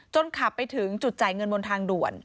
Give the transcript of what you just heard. ขับไปถึงจุดจ่ายเงินบนทางด่วน